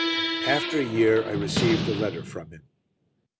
After a year I received a letter from him.